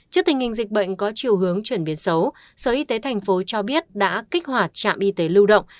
trước tình hình dịch bệnh có chiều hướng chuyển biến xấu sở y tế thành phố cho biết đã kích hoạt trạm y tế lưu động